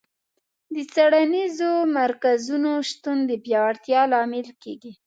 د څېړنیزو مرکزونو شتون د پیاوړتیا لامل کیږي.